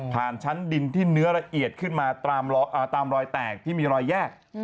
ชั้นดินที่เนื้อละเอียดขึ้นมาตามรอยแตกที่มีรอยแยก